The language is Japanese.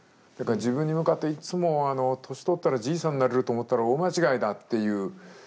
だから自分に向かっていつも年取ったらじいさんになれると思ったら大間違いだっていう。